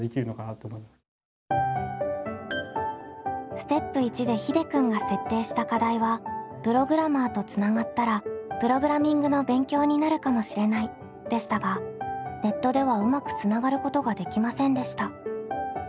ステップ１でひでくんが設定した課題は「プログラマーとつながったらプログラミングの勉強になるかもしれない」でしたがネットではうまくつながることができませんでした。